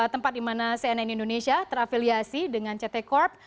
tempat dimana cnn indonesia terafiliasi dengan ct corp